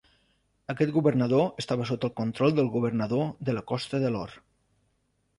Aquest governador estava sota el control del Governador de la Costa de l'Or.